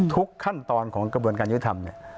ทุกขั้นตอนของกระบวนการยุติธรรม